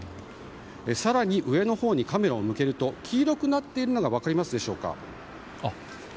更に上のほうにカメラを向けると黄色くなっているのが分かりますか。